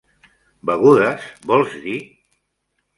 Begudes, vols dir?